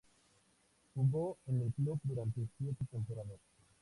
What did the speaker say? Jugó en el club durante siete temporadas.